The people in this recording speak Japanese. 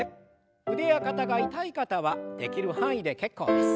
腕や肩が痛い方はできる範囲で結構です。